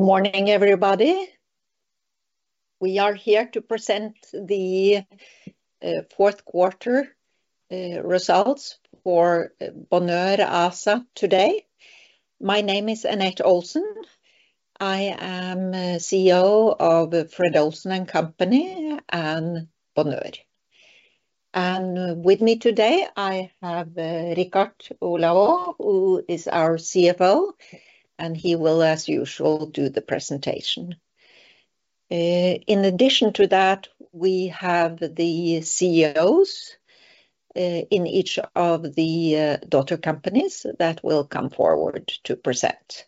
Good morning, everybody. We are here to present the Q4 results for Bonheur ASA today. My name is Anette S. Olsen, I am CEO of Fred. Olsen & Co. and Bonheur. And with me today I have Richard Olav Aa, who is our CFO, and he will, as usual, do the presentation. In addition to that, we have the CEOs in each of the daughter companies that will come forward to present.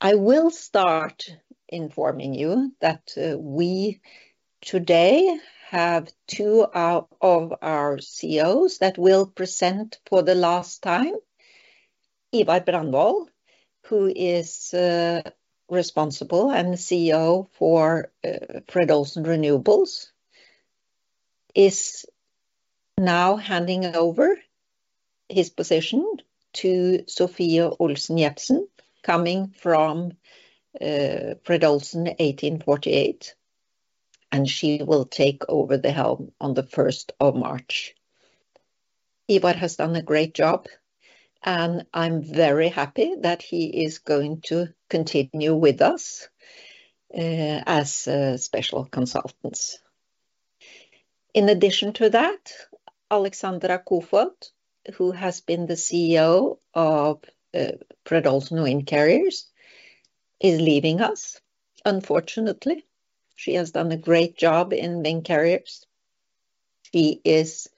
I will start informing you that we today have two of our CEOs that will present for the last time. Ivar Brandvold, who is responsible and CEO for Fred. Olsen Renewables, is now handing over his position to Sofie Olsen Jebsen, coming from Fred. Olsen 1848, and she will take over the helm on the first of March. Ivar has done a great job, and I'm very happy that he is going to continue with us as special consultant. In addition to that, Alexandra Koefoed, who has been the CEO of Fred. Olsen Windcarrier, is leaving us, unfortunately. She has done a great job in Windcarrier. She is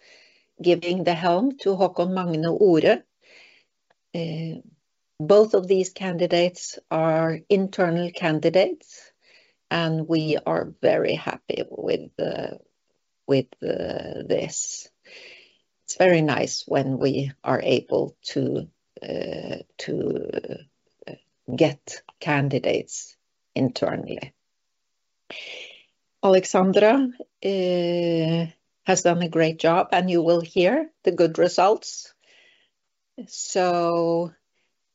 giving the helm to Haakon Magne Ore. Both of these candidates are internal candidates, and we are very happy with this. It's very nice when we are able to get candidates internally. Alexandra has done a great job, and you will hear the good results. So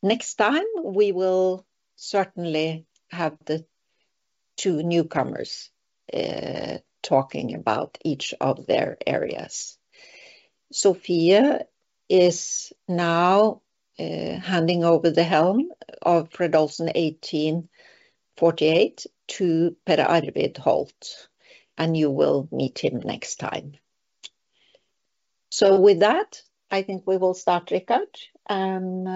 next time we will certainly have the two newcomers talking about each of their areas. Sofie is now handing over the helm of Fred. Olsen 1848 to Per Arvid Holth, and you will meet him next time. With that, I think we will start, Richard, and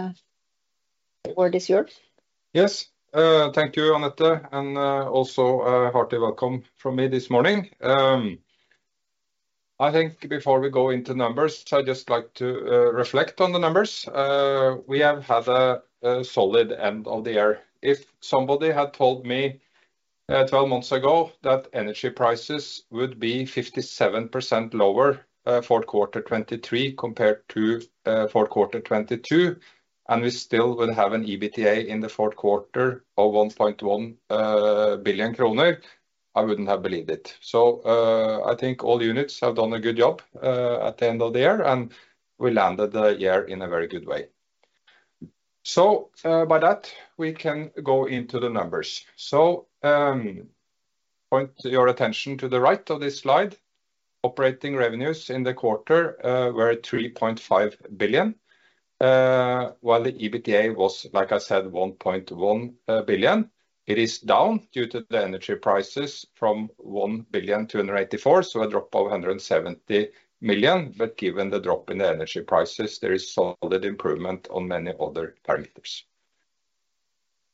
the word is yours. Yes, thank you, Anette, and, also, hearty welcome from me this morning. I think before we go into numbers, I'd just like to reflect on the numbers. We have had a solid end of the year. If somebody had told me 12 months ago that energy prices would be 57% lower Q4 2023 compared to Q4 2022, and we still would have an EBITDA in the Q4 of 1.1 billion kroner, I wouldn't have believed it. So, I think all units have done a good job at the end of the year, and we landed the year in a very good way. So, by that, we can go into the numbers. So, point your attention to the right of this slide. Operating revenues in the quarter were 3.5 billion, while the EBITDA was, like I said, 1.1 billion. It is down due to the energy prices from 1,284 million, so a drop of 170 million, but given the drop in the energy prices, there is solid improvement on many other parameters.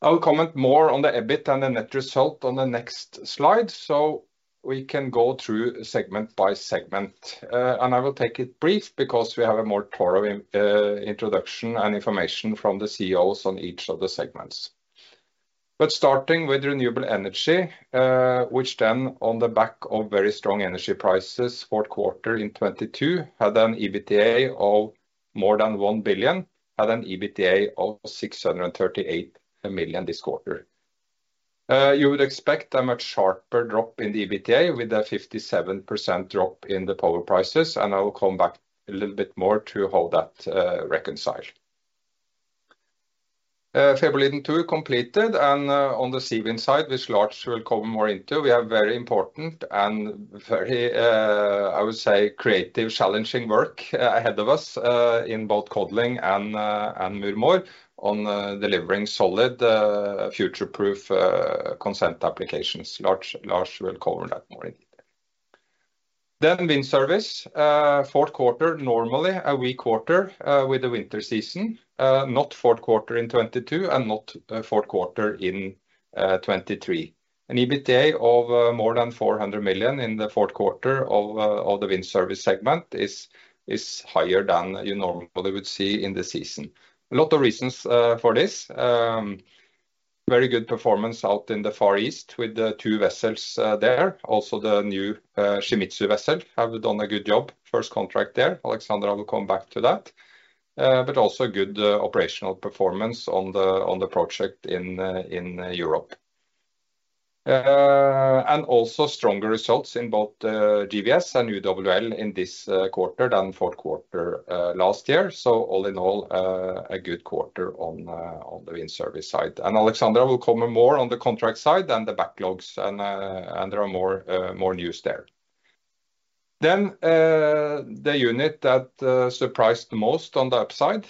I will comment more on the EBIT and the net result on the next slide so we can go through segment by segment, and I will take it brief because we have a more thorough introduction and information from the CEOs on each of the segments. But starting with renewable energy, which then on the back of very strong energy prices Q4 in 2022 had an EBITDA of more than 1 billion, had an EBITDA of 638 million this quarter. You would expect a much sharper drop in the EBITDA with a 57% drop in the power prices, and I will come back a little bit more to how that reconciles. Fäbodliden II completed, and on the CVN side, which Lars will come more into, we have very important and very, I would say, creative, challenging work ahead of us in both Codling and Muir Mhòr on delivering solid, future-proof consent applications. Lars will cover that more in detail. Then wind service, Q4 normally a weak quarter with the winter season, not Q4 in 2022 and not Q4 in 2023. An EBITDA of more than 400 million in the Q4 of the wind service segment is higher than you normally would see in the season. A lot of reasons for this. Very good performance out in the Far East with the two vessels there. Also the new Shimizu vessel have done a good job. First contract there. Alexandra, I will come back to that. but also good operational performance on the project in Europe. And also stronger results in both GWS and UWL in this quarter than Q4 last year. So all in all, a good quarter on the wind service side. And Alexandra, we'll come more on the contract side and the backlogs and there are more news there. Then the unit that surprised the most on the upside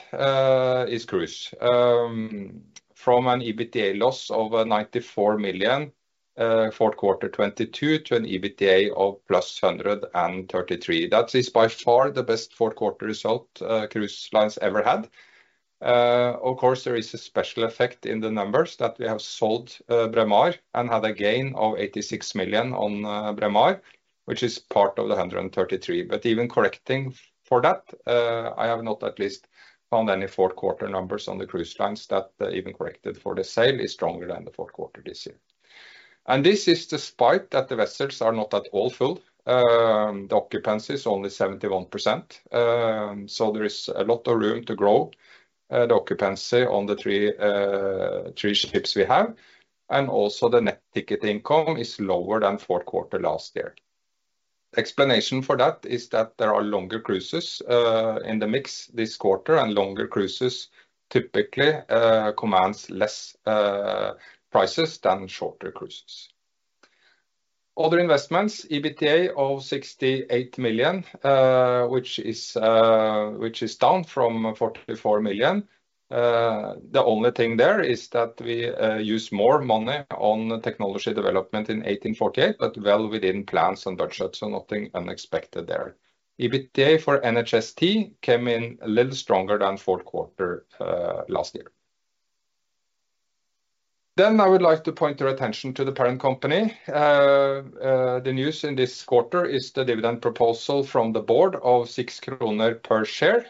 is Cruise. From an EBITDA loss of 94 million Q4 2022 to an EBITDA of +133 million. That is by far the best Q4 result Cruise Lines ever had. Of course there is a special effect in the numbers that we have sold Braemar and had a gain of 86 million on Braemar, which is part of the 133. But even correcting for that, I have not at least found any Q4 numbers on the cruise lines that, even corrected for the sale, is stronger than the Q4 this year. And this is despite that the vessels are not at all full. The occupancy is only 71%. So there is a lot of room to grow, the occupancy on the three ships we have, and also the net ticket income is lower than Q4 last year. Explanation for that is that there are longer cruises in the mix this quarter and longer cruises typically commands less prices than shorter cruises. Other investments, EBITDA of 68 million, which is down from 44 million. The only thing there is that we use more money on technology development in 1848, but well within plans and budgets, so nothing unexpected there. EBITDA for NHST came in a little stronger than Q4 last year. Then I would like to point your attention to the parent company. The news in this quarter is the dividend proposal from the board of 6 kroner per share,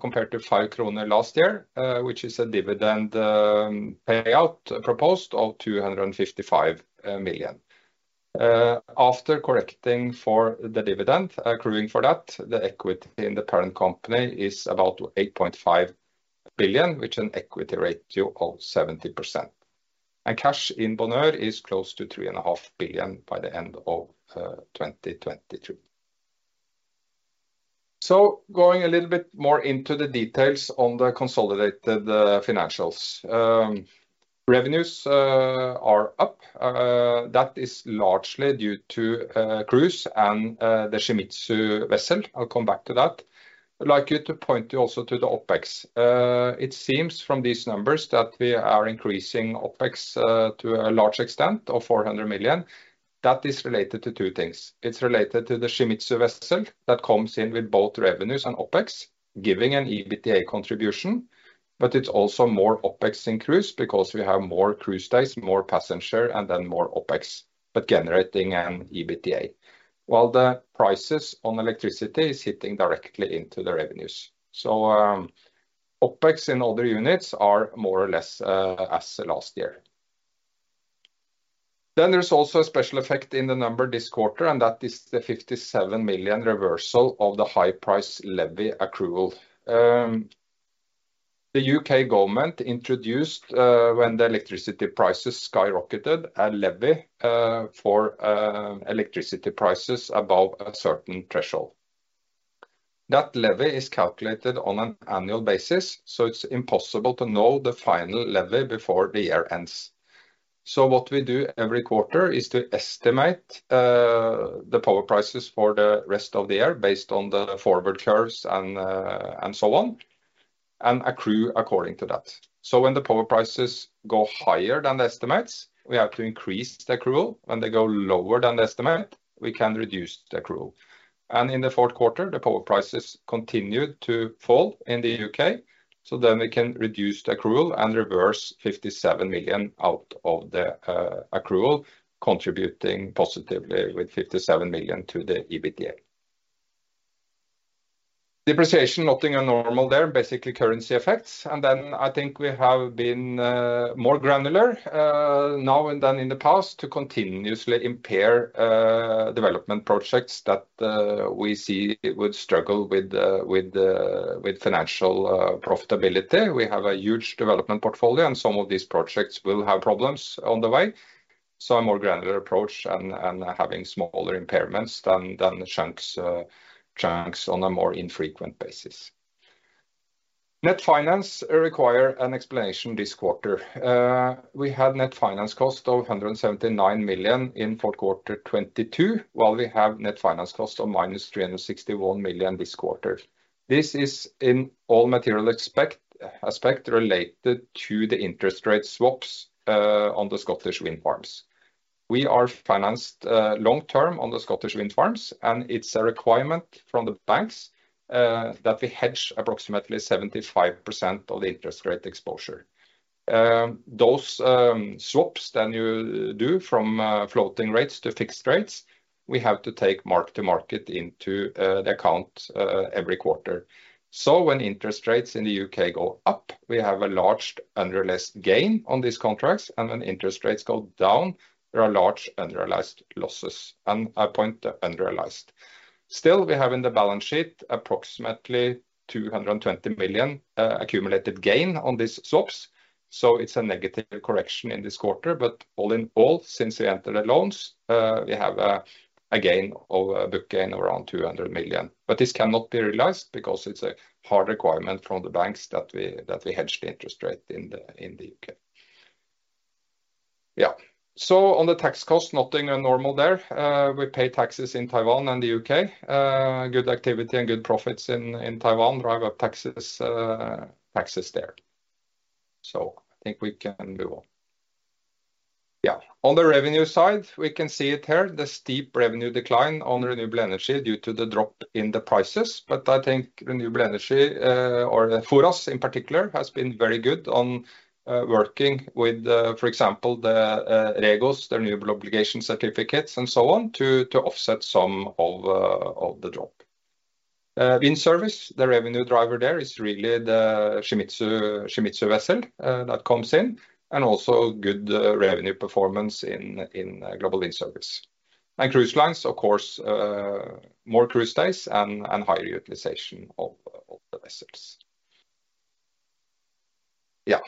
compared to 5 kroner per share last year, which is a dividend payout proposed of 255 million. After correcting for the dividend, crediting for that, the equity in the parent company is about 8.5 billion, which is an equity ratio of 70%. And cash in Bonheur is close to 3.5 billion by the end of 2023. So going a little bit more into the details on the consolidated financials. Revenues are up. That is largely due to Cruise and the Shimizu vessel. I'll come back to that. I'd like you to point you also to the OPEX. It seems from these numbers that we are increasing OPEX, to a large extent of 400 million. That is related to two things. It's related to the Shimizu vessel that comes in with both revenues and OPEX, giving an EBITDA contribution, but it's also more OPEX in Cruise because we have more cruise days, more passenger, and then more OPEX, but generating an EBITDA, while the prices on electricity is hitting directly into the revenues. So, OPEX in other units are more or less, as last year. Then there's also a special effect in the number this quarter, and that is the 57 million reversal of the high-price levy accrual. The U.K. government introduced, when the electricity prices skyrocketed, a levy, for, electricity prices above a certain threshold. That levy is calculated on an annual basis, so it's impossible to know the final levy before the year ends. So what we do every quarter is to estimate the power prices for the rest of the year based on the forward curves and, and so on, and accrue according to that. So when the power prices go higher than the estimates, we have to increase the accrual. When they go lower than the estimate, we can reduce the accrual. And in the Q4, the power prices continued to fall in the UK, so then we can reduce the accrual and reverse 57 million out of the accrual, contributing positively with 57 million to the EBITDA. Depreciation, nothing unusual there, basically currency effects. And then I think we have been more granular now and then in the past to continuously impair development projects that we see would struggle with financial profitability. We have a huge development portfolio, and some of these projects will have problems on the way. So a more granular approach and, and having smaller impairments than, than chunks, chunks on a more infrequent basis. Net finance requires an explanation this quarter. We had net finance cost of 179 million in Q4 2022, while we have net finance cost of -361 million this quarter. This is in all material respects related to the interest rate swaps on the Scottish wind farms. We are financed long-term on the Scottish wind farms, and it's a requirement from the banks that we hedge approximately 75% of the interest rate exposure. Those swaps that you do from floating rates to fixed rates, we have to take mark-to-market into account every quarter. So when interest rates in the U.K. go up, we have a large unrealized gain on these contracts, and when interest rates go down, there are large unrealized losses, and I point to unrealized. Still, we have in the balance sheet approximately 220 million accumulated gain on these swaps, so it's a negative correction in this quarter. But all in all, since we entered the loans, we have a, a gain of a book gain around 200 million. But this cannot be realized because it's a hard requirement from the banks that we, that we hedge the interest rate in the, in the U.K. Yeah. So on the tax cost, nothing unusual there. We pay taxes in Taiwan and the U.K. Good activity and good profits in, in Taiwan drive up taxes, taxes there. So I think we can move on. Yeah. On the revenue side, we can see it here, the steep revenue decline on Renewable Energy due to the drop in the prices. But I think Renewable Energy, or FORAS in particular, has been very good on, working with, for example, the, REGOs, the renewable obligation certificates, and so on to, to offset some of, of the drop. Wind Service, the revenue driver there is really the Shimizu, Shimizu vessel, that comes in and also good revenue performance in, in Global Wind Service. And Cruise Lines, of course, more cruise days and, and higher utilization of, of the vessels. Yeah.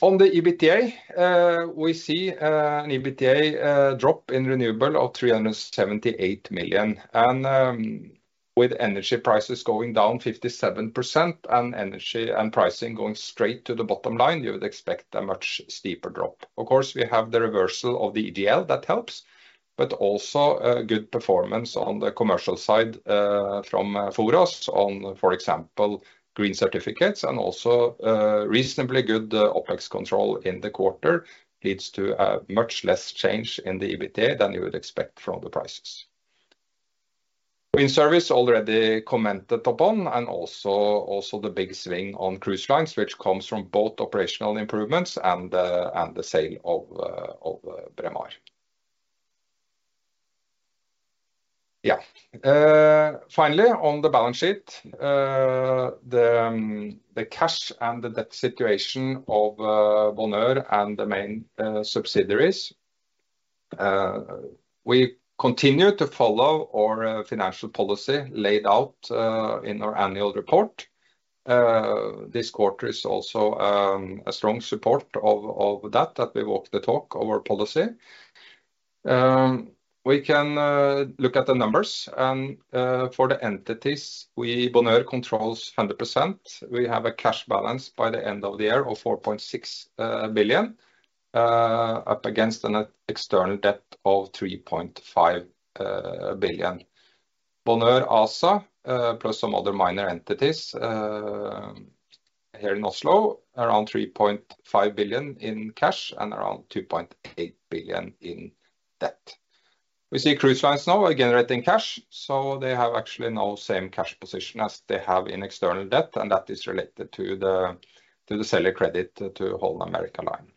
On the EBITDA, we see, an EBITDA, drop in Renewables of 378 million. And, with energy prices going down 57% and energy and pricing going straight to the bottom line, you would expect a much steeper drop. Of course, we have the reversal of the EGL that helps, but also good performance on the commercial side, from FORAS on, for example, green certificates and also reasonably good OPEX control in the quarter leads to a much less change in the EBITDA than you would expect from the prices. Wind service already commented upon and also the big swing on cruise lines, which comes from both operational improvements and the sale of Braemar. Yeah. Finally, on the balance sheet, the cash and the debt situation of Bonheur and the main subsidiaries. We continue to follow our financial policy laid out in our annual report. This quarter is also a strong support of that we walk the talk of our policy. We can look at the numbers and, for the entities we Bonheur controls 100%, we have a cash balance by the end of the year of 4.6 billion, up against an external debt of 3.5 billion. Bonheur ASA, plus some other minor entities here in Oslo, around 3.5 billion in cash and around 2.8 billion in debt. We see cruise lines now are generating cash, so they have actually no same cash position as they have in external debt, and that is related to the seller credit to Holland America Line.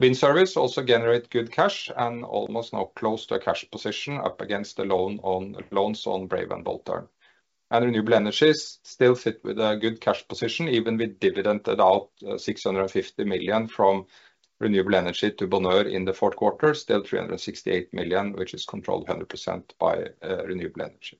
Wind service also generate good cash and almost no close to a cash position up against the loans on Brave Tern and Bold Tern. Renewable energies still sit with a good cash position even we dividended out 650 million from renewable energy to Bonheur in the Q4, still 368 million, which is controlled 100% by renewable energy.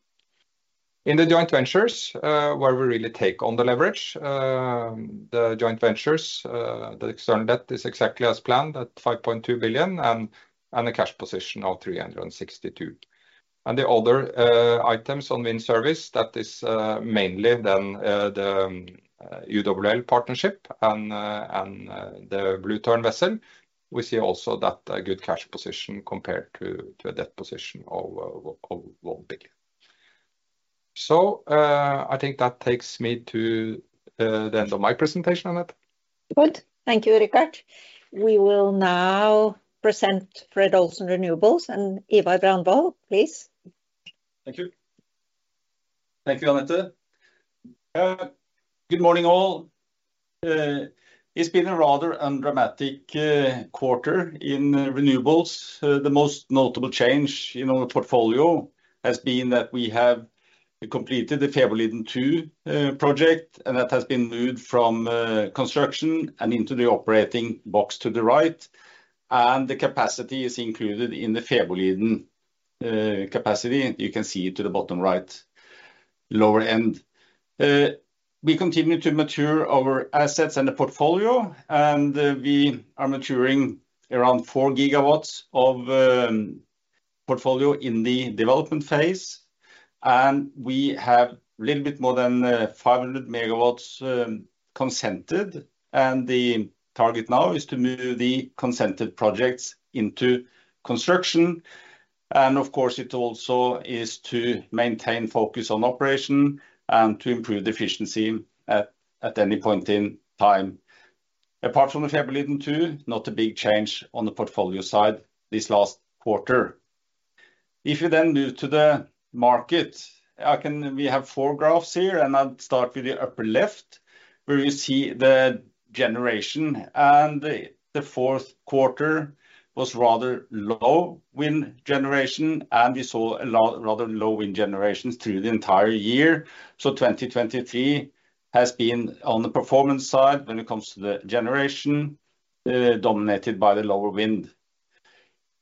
In the joint ventures, where we really take on the leverage, the joint ventures, the external debt is exactly as planned at 5.2 billion and a cash position of 362 million. And the other items on wind service, that is, mainly then the UWL partnership and the Blue Tern vessel, we see also that good cash position compared to a debt position of 1 billion. So, I think that takes me to the end of my presentation, Anette. Godt. Thank you, Richard. We will now present Fred. Olsen Renewables and Ivar Brandvold, please. Thank you. Thank you, Anette. Good morning, all. It's been a rather undramatic quarter in renewables. The most notable change in our portfolio has been that we have completed the Fäbodliden II project, and that has been moved from construction and into the operating box to the right. The capacity is included in the Fäbodliden capacity. You can see it to the bottom right lower end. We continue to mature our assets and the portfolio, and we are maturing around 4 GW of portfolio in the development phase. We have a little bit more than 500 MG consented, and the target now is to move the consented projects into construction. Of course, it also is to maintain focus on operation and to improve the efficiency at any point in time. Apart from the Fäbodliden II, not a big change on the portfolio side this last quarter. If you then move to the market, we have four graphs here, and I'll start with the upper left where you see the generation. The Q4 was rather low wind generation, and we saw a rather low wind generation through the entire year. So 2023 has been on the performance side when it comes to the generation, dominated by the lower wind.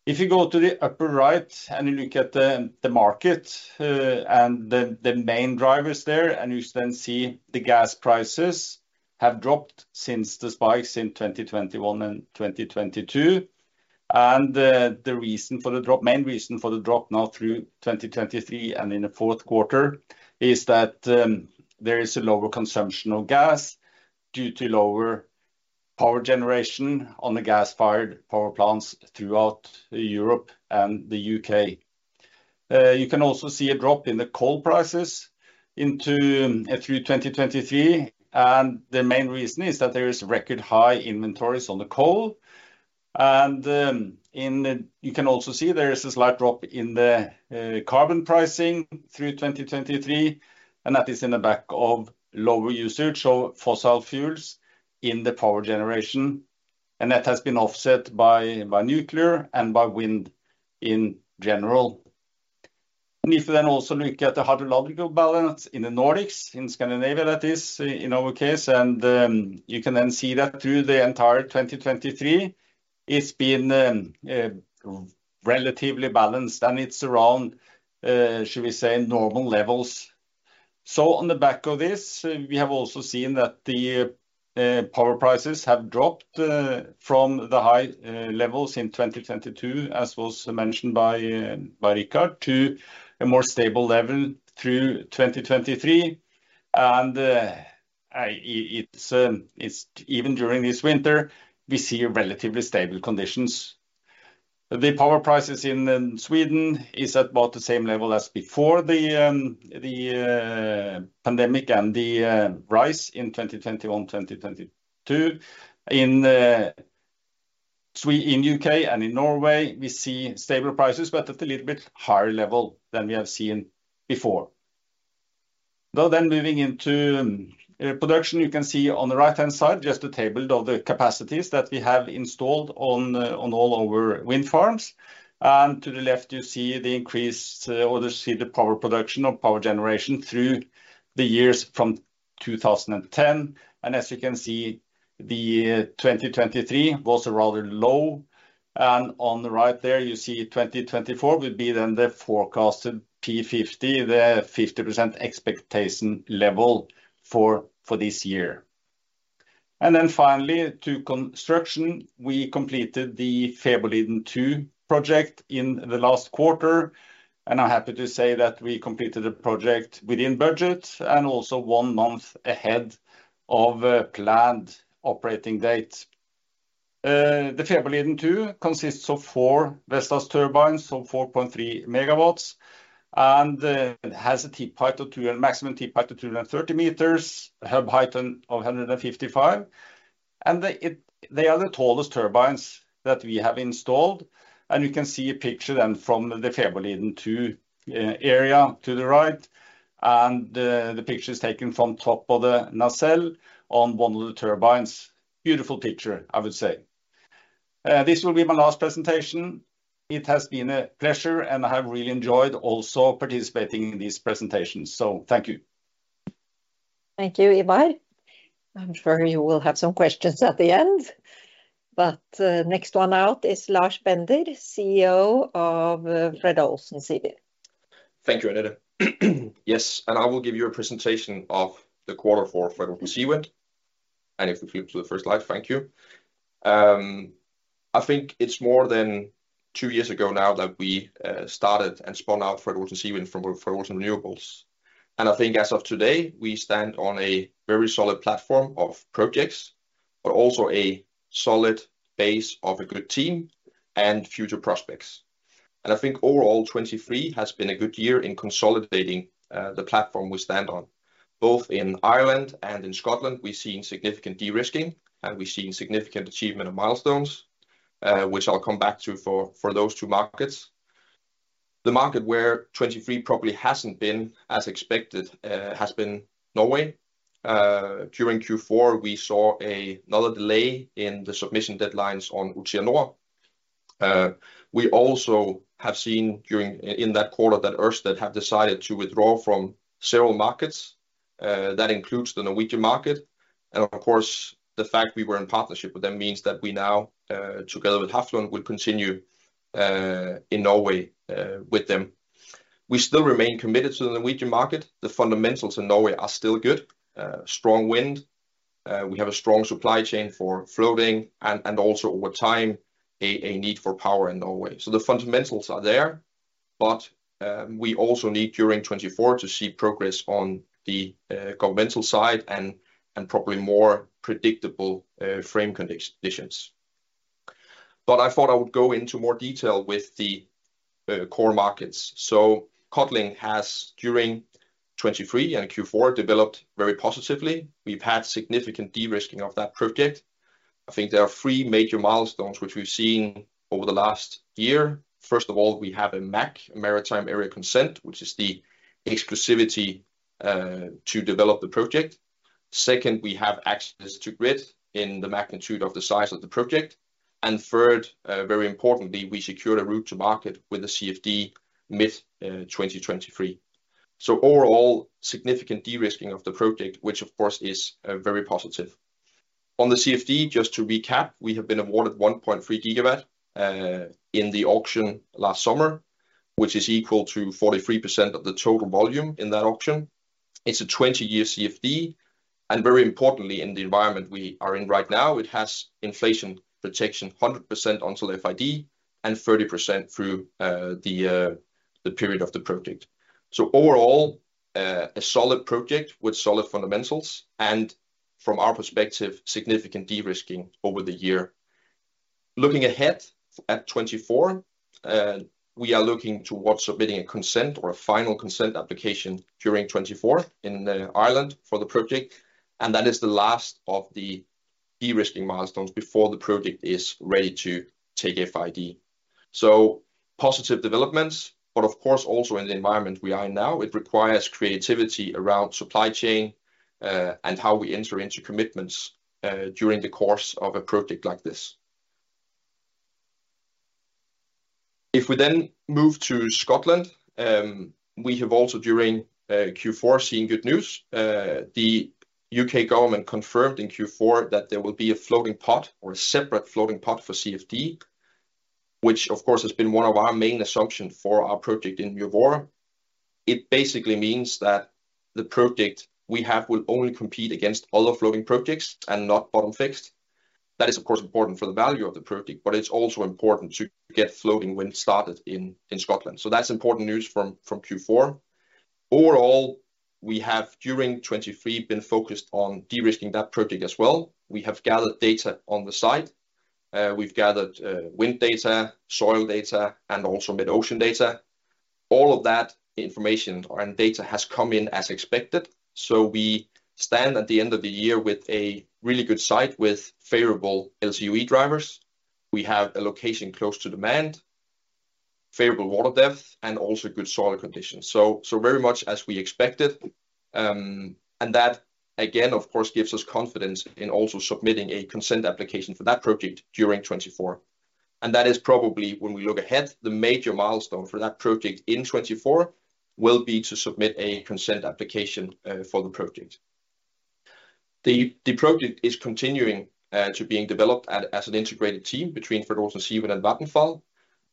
If you go to the upper right and you look at the market, and the main drivers there, and you then see the gas prices have dropped since the spikes in 2021 and 2022. The reason for the drop, main reason for the drop now through 2023 and in the Q4 is that there is a lower consumption of gas due to lower power generation on the gas-fired power plants throughout Europe and the UK. You can also see a drop in the coal prices into through 2023, and the main reason is that there is record high inventories on the coal. And you can also see there is a slight drop in the carbon pricing through 2023, and that is in the back of lower usage of fossil fuels in the power generation. And that has been offset by nuclear and by wind in general. And if you then also look at the hydrological balance in the Nordics, in Scandinavia, that is in our case, you can then see that through the entire 2023, it's been relatively balanced, and it's around, should we say, normal levels. So on the back of this, we have also seen that the power prices have dropped from the high levels in 2022, as was mentioned by Richard, to a more stable level through 2023. And it's even during this winter, we see relatively stable conditions. The power prices in Sweden are at about the same level as before the pandemic and the rise in 2021, 2022. In the U.K. and in Norway, we see stable prices, but at a little bit higher level than we have seen before. Though then moving into production, you can see on the right-hand side just a table of the capacities that we have installed on all our wind farms. And to the left, you see the increase, or you see the power production or power generation through the years from 2010. As you can see, 2023 was a rather low. On the right there, you see 2024 would be then the forecasted P50, the 50% expectation level for, for this year. Then finally, to construction, we completed the Fäbodliden II project in the last quarter. I'm happy to say that we completed the project within budget and also one month ahead of planned operating date. The Fäbodliden II consists of four Vestas turbines, so 4.3 MG, and has a tip height of 200, maximum tip height of 230 meters, hub height of 155. They are the tallest turbines that we have installed. You can see a picture then from the Fäbodliden II area to the right. The picture is taken from top of the nacelle on one of the turbines. Beautiful picture, I would say. This will be my last presentation. It has been a pleasure, and I have really enjoyed also participating in these presentations. So thank you. Thank you, Ivar. I'm sure you will have some questions at the end. But next one out is Lars Bender, CEO of Fred. Olsen Seawind. Thank you, Anette. Yes, and I will give you a presentation of the quarter for Fred. Olsen Seawind. If we flip to the first slide, thank you. I think it's more than two years ago now that we started and spun out Fred. Olsen Seawind from Fred. Olsen Renewables. And I think as of today, we stand on a very solid platform of projects, but also a solid base of a good team and future prospects. And I think overall, 2023 has been a good year in consolidating the platform we stand on. Both in Ireland and in Scotland, we've seen significant de-risking, and we've seen significant achievement of milestones, which I'll come back to for those two markets. The market where 2023 probably hasn't been as expected has been Norway. During Q4, we saw another delay in the submission deadlines on Utsira Nord. We also have seen during in that quarter that Ørsted have decided to withdraw from several markets. That includes the Norwegian Market, and of course, the fact we were in partnership with them means that we now, together with Hafslund, will continue in Norway with them. We still remain committed to the Norwegian market. The fundamentals in Norway are still good: strong wind. We have a strong supply chain for floating and also over time a need for power in Norway. So the fundamentals are there, but we also need during 2024 to see progress on the governmental side and probably more predictable frame conditions. But I thought I would go into more detail with the core markets. So Codling has during 2023 and Q4 developed very positively. We've had significant de-risking of that project. I think there are three major milestones which we've seen over the last year. First of all, we have a MAC, Maritime Area Consent, which is the exclusivity to develop the project. Second, we have access to grid in the magnitude of the size of the project. And third, very importantly, we secured a route to market with the CFD mid-2023. So overall, significant de-risking of the project, which of course is very positive. On the CFD, just to recap, we have been awarded 1.3 GW in the auction last summer, which is equal to 43% of the total volume in that auction. It's a 20-year CFD. And very importantly, in the environment we are in right now, it has inflation protection 100% on FID and 30% through the period of the project. So overall, a solid project with solid fundamentals and, from our perspective, significant de-risking over the year. Looking ahead at 2024, we are looking towards submitting a consent or a final consent application during 2024 in Ireland for the project. That is the last of the de-risking milestones before the project is ready to take FID. Positive developments, but of course also in the environment we are in now, it requires creativity around supply chain and how we enter into commitments during the course of a project like this. If we then move to Scotland, we have also during Q4 seen good news. The U.K. government confirmed in Q4 that there will be a floating pot or a separate floating pot for CFD, which of course has been one of our main assumptions for our project in Murvora. It basically means that the project we have will only compete against other floating projects and not bottom-fixed. That is, of course, important for the value of the project, but it's also important to get floating wind started in Scotland. So that's important news from Q4. Overall, we have during 2023 been focused on de-risking that project as well. We have gathered data on the site. We've gathered wind data, soil data, and also MetOcean data. All of that information and data has come in as expected. So we stand at the end of the year with a really good site with favorable LCOE drivers. We have a location close to demand, favorable water depth, and also good soil conditions. So very much as we expected. And that, again, of course, gives us confidence in also submitting a consent application for that project during 2024. That is probably, when we look ahead, the major milestone for that project in 2024 will be to submit a consent application for the project. The project is continuing to be developed as an integrated team between Fred. Olsen Seawind and Vattenfall.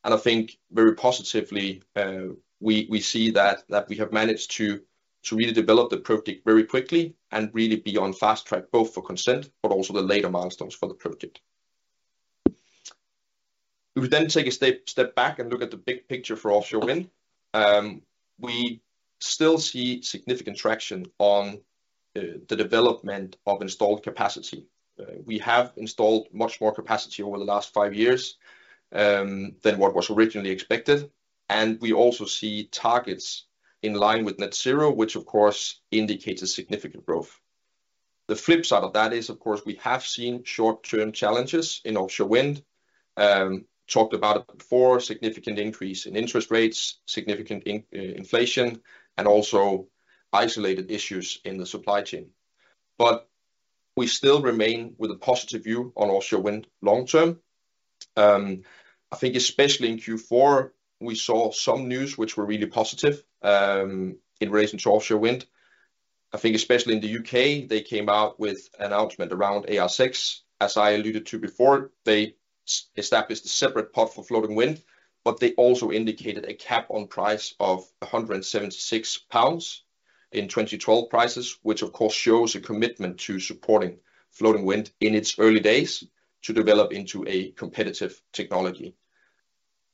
I think very positively, we see that we have managed to really develop the project very quickly and really be on fast track, both for consent but also the later milestones for the project. If we then take a step back and look at the big picture for offshore wind, we still see significant traction on the development of installed capacity. We have installed much more capacity over the last five years than what was originally expected. We also see targets in line with net zero, which of course indicates a significant growth. The flip side of that is, of course, we have seen short-term challenges in offshore wind, talked about it before, significant increase in interest rates, significant inflation, and also isolated issues in the supply chain. But we still remain with a positive view on offshore wind long term. I think especially in Q4, we saw some news which were really positive in relation to offshore wind. I think especially in the U.K., they came out with an announcement around AR6. As I alluded to before, they established a separate pot for floating wind, but they also indicated a cap on price of 176 pounds in 2012 prices, which of course shows a commitment to supporting floating wind in its early days to develop into a competitive technology.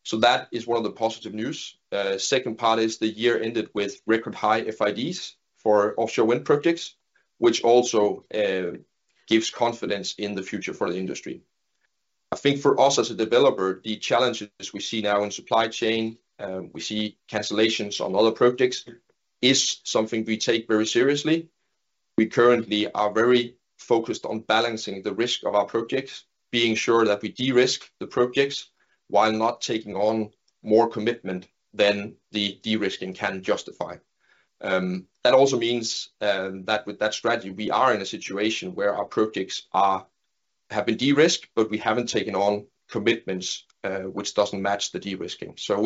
So that is one of the positive news. Second part is the year ended with record high FIDs for offshore wind projects, which also gives confidence in the future for the industry. I think for us as a developer, the challenges we see now in supply chain, we see cancellations on other projects, is something we take very seriously. We currently are very focused on balancing the risk of our projects, being sure that we de-risk the projects while not taking on more commitment than the de-risking can justify. That also means that with that strategy, we are in a situation where our projects have been de-risked, but we haven't taken on commitments which doesn't match the de-risking. So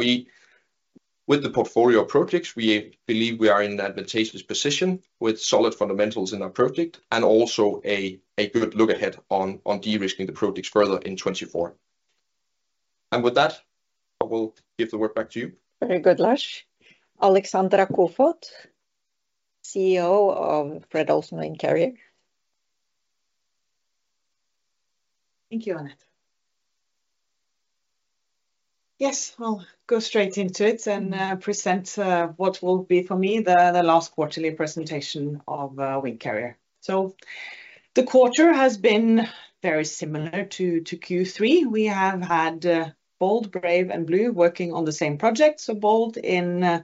with the portfolio of projects, we believe we are in an advantageous position with solid fundamentals in our project and also a good look ahead on de-risking the projects further in 2024. With that, I will give the word back to you. Very good, Lars. Alexandra Koefoed, CEO of Fred. Olsen Windcarrier. Thank you, Anette. Yes, I'll go straight into it and present what will be for me the last quarterly presentation of Windcarrier. So the quarter has been very similar to Q3. We have had Bold, Brave, and Blue working on the same project. So Bold in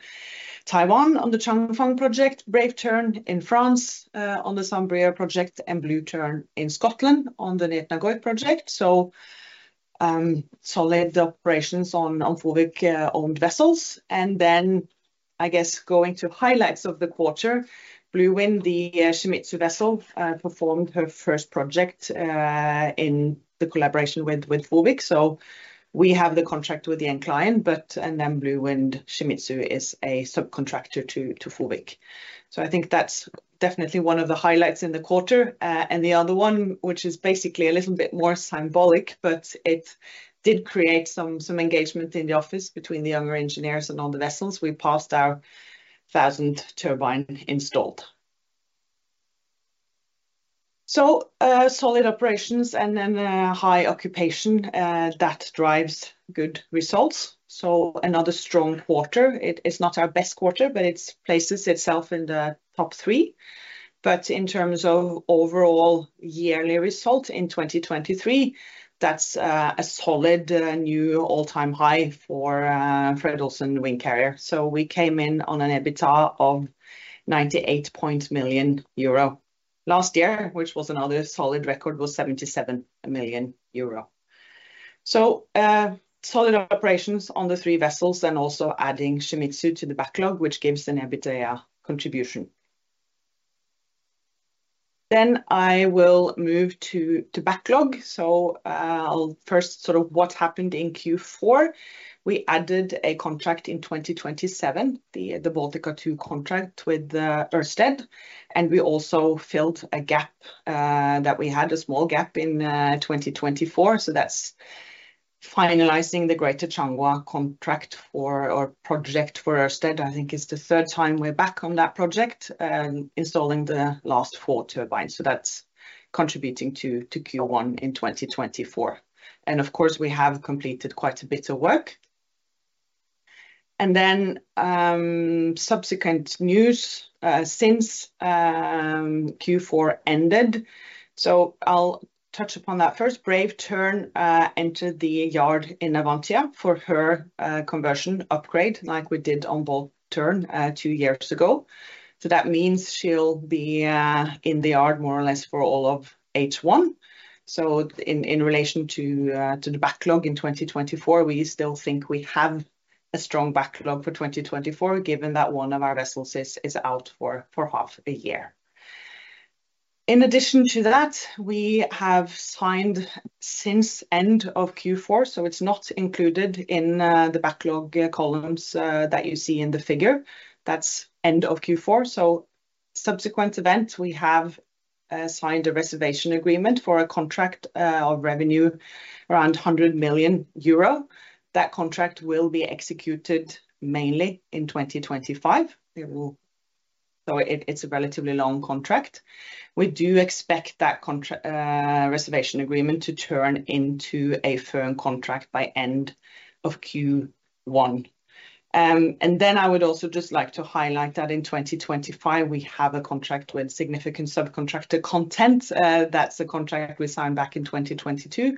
Taiwan on the Changfang project, Brave Tern in France on the Saint-Brieuc project, and Blue Tern in Scotland on the Neart na Gaoithe project. So solid operations on Windcarrier-owned vessels. And then, I guess, going to highlights of the quarter, Blue Wind, the Shimizu vessel, performed her first project in collaboration with Windcarrier. So we have the contract with the end client, and then Blue Wind Shimizu is a subcontractor to Windcarrier. So I think that's definitely one of the highlights in the quarter. The other one, which is basically a little bit more symbolic, but it did create some engagement in the office between the younger engineers and on the vessels. We passed our 1,000 turbines installed. So solid operations and then high occupation, that drives good results. So another strong quarter. It's not our best quarter, but it places itself in the top three. But in terms of overall yearly result in 2023, that's a solid new all-time high for Fred. Olsen Windcarrier. So we came in on an EBITDA of 98 million euro last year, which was another solid record, was 77 million euro. So solid operations on the three vessels and also adding Shimizu to the backlog, which gives an EBITDA contribution. Then I will move to backlog. So first, sort of what happened in Q4. We added a contract in 2027, the Baltica 2 contract with Ørsted. And we also filled a gap that we had, a small gap, in 2024. So that's finalizing the Greater Changhua contract or project for Ørsted. I think it's the third time we're back on that project installing the last four turbines. So that's contributing to Q1 in 2024. And of course, we have completed quite a bit of work. And then subsequent news since Q4 ended. So I'll touch upon that first. Brave Tern entered the yard in Navantia for her conversion upgrade like we did on Bold Tern two years ago. So that means she'll be in the yard more or less for all of H1. So in relation to the backlog in 2024, we still think we have a strong backlog for 2024, given that one of our vessels is out for half a year. In addition to that, we have signed since end of Q4. So it's not included in the backlog columns that you see in the figure. That's end of Q4. So subsequent events, we have signed a reservation agreement for a contract of revenue around 100 million euro. That contract will be executed mainly in 2025. So it's a relatively long contract. We do expect that reservation agreement to turn into a firm contract by end of Q1. And then I would also just like to highlight that in 2025, we have a contract with significant subcontractor content. That's a contract we signed back in 2022,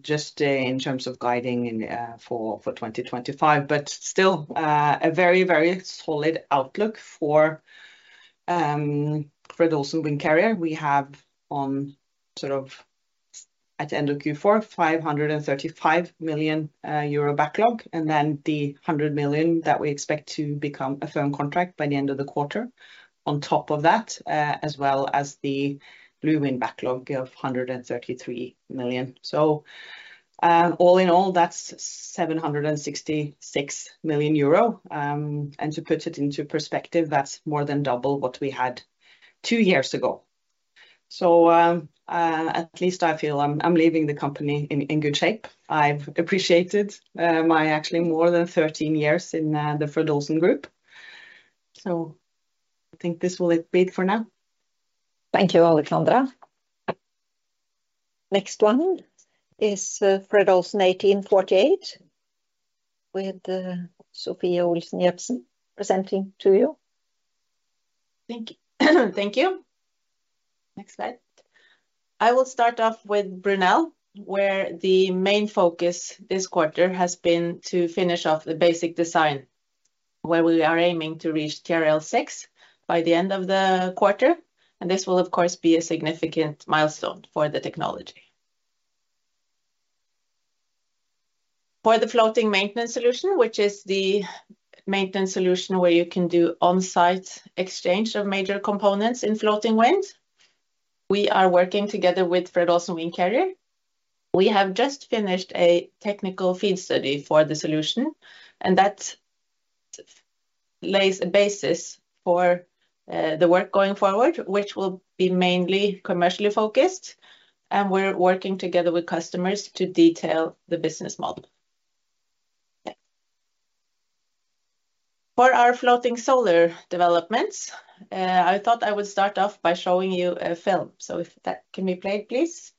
just in terms of guiding for 2025. But still, a very, very solid outlook for Fred. Olsen Windcarrier. We have on sort of at the end of Q4, 535 million euro backlog, and then the 100 million that we expect to become a firm contract by the end of the quarter on top of that, as well as the Blue Wind backlog of 133 million. So all in all, that's 766 million euro. And to put it into perspective, that's more than double what we had two years ago. So at least I feel I'm leaving the company in good shape. I've appreciated my actually more than 13 years in the Fred. Olsen Group. So I think this will be it for now. Thank you, Alexandra. Next one is Fred. Olsen 1848 with Sofie Olsen Jebsen presenting to you. Thank you. Next slide. I will start off with Brunel, where the main focus this quarter has been to finish off the basic design, where we are aiming to reach TRL 6 by the end of the quarter. This will, of course, be a significant milestone for the technology. For the floating maintenance solution, which is the maintenance solution where you can do on-site exchange of major components in floating wind, we are working together with Fred. Olsen Windcarrier. We have just finished a technical feed study for the solution, and that lays a basis for the work going forward, which will be mainly commercially focused. We're working together with customers to detail the business model. For our floating solar developments, I thought I would start off by showing you a film. So if that can be played, please.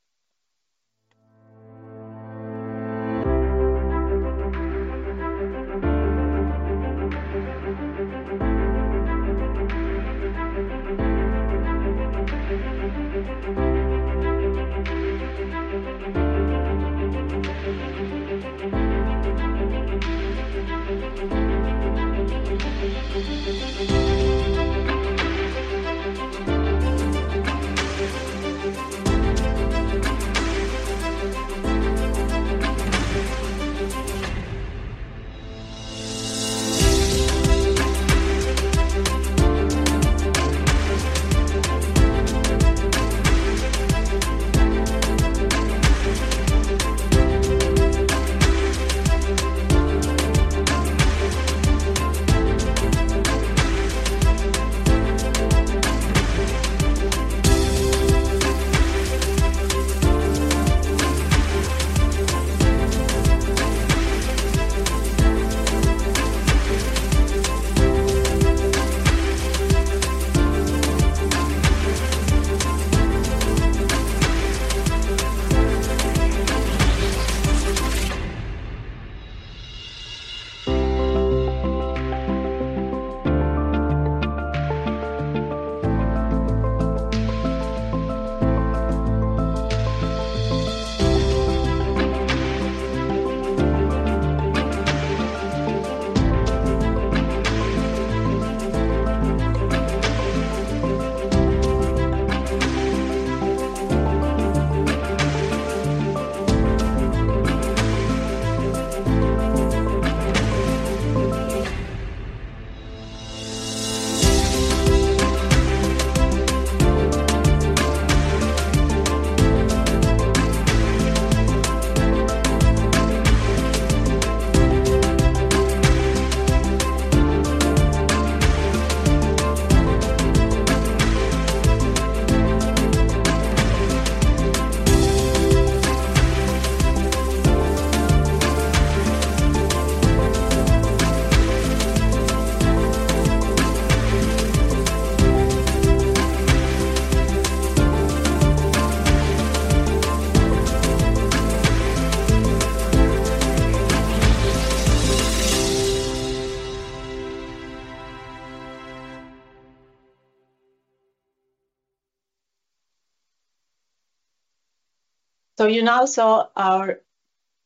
So you now saw our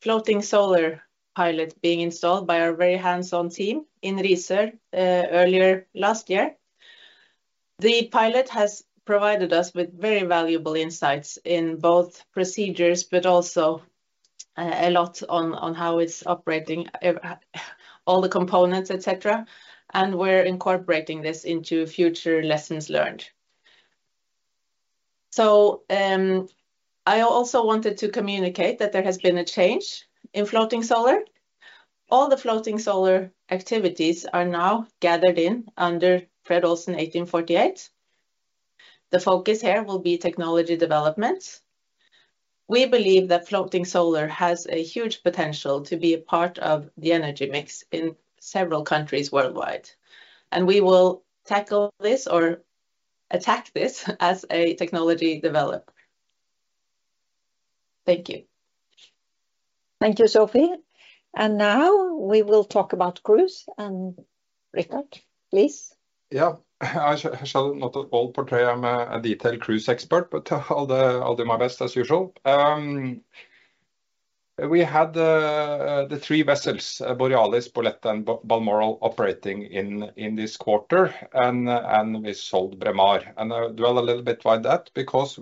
floating solar pilot being installed by our very hands-on team in Ris earlier last year. The pilot has provided us with very valuable insights in both procedures, but also a lot on how it's operating, all the components, etc. And we're incorporating this into future lessons learned. So I also wanted to communicate that there has been a change in floating solar. All the floating solar activities are now gathered in under Fred. Olsen 1848. The focus here will be technology development. We believe that floating solar has a huge potential to be a part of the energy mix in several countries worldwide. And we will tackle this or attack this as a technology developer. Thank you. Thank you, Sofie. Now we will talk about cruise. Richard, please. Yeah. I don't understand that they portrayed me as a detailed cruise expert, but I'll do my best as usual. We had the three vessels, Borealis, Bolette, and Balmoral, operating in this quarter, and we sold Braemar. I'll tell a little bit why that, because